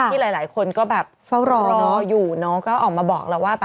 ที่หลายคนก็แบบ